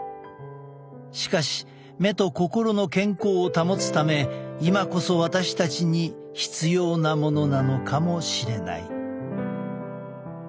しかし目と心の健康を保つため今こそ私たちに必要なものなのかもしれない。